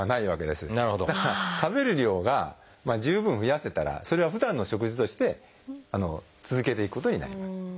だから食べる量が十分増やせたらそれはふだんの食事として続けていくことになります。